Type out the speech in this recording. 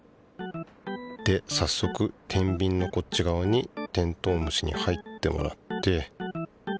でさっそくてんびんのこっち側にテントウムシに入ってもらって。